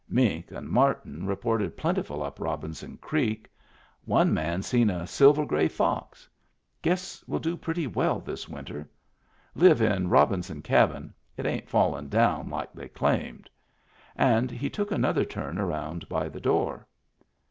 Mink and marten reported plentiful up Robinson Creek. One man seen a silver gray fox. Guess we'll do pretty well this winter. Live in Robinson Cabin — it ain't fallen down like they claimed." And he took another turn around by the door.